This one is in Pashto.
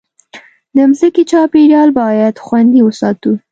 د مځکې چاپېریال باید خوندي وساتو.